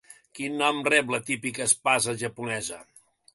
Quin nom rep la típica espasa japonesa?